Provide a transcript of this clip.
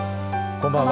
こんばんは。